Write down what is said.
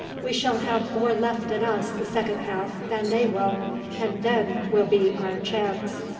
We shall have more left in us the second half than they will, and then will be our chance."